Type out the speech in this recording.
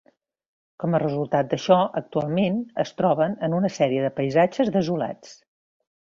Com a resultat d'això, actualment, es troben una sèrie de paisatges desolats.